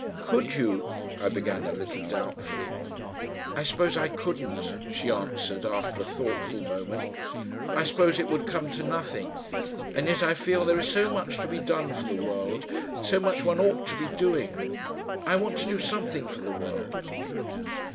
"Could you ?" I began a little doubtfully. "I suppose I couldn't," she answered, after a thoughtful moment. "I suppose it would come to nothing. And yet I feel there is so much to be done for the world, so much one ought to be doing.... I want to do something for the world."